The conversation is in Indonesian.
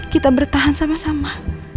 kita bertahan sama sama